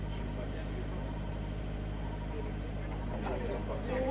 สวัสดีทุกคน